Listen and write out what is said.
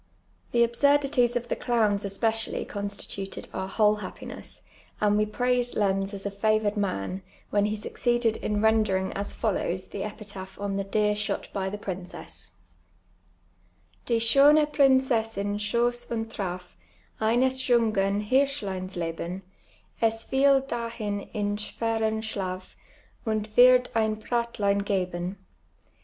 The absiirdities of the clowns especially constituted our whole haj)piness, and we ])raiscd Lenz as a favoured man, when he succeeded in rendering as follow!? the epitaph on the <leer shot by the princess :—" Die schtjne Princcssin schoss und traf Eiiies juniren Hirsrhlrins Ix lx'ti ; Es tiel (lahin in schwcrrn Schlaf Und wird I'in Bratltin pt'ben.